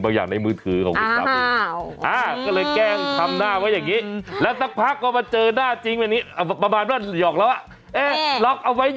บางอย่างในมือถือของกันน่ะเพราะฉะนั้นเป็น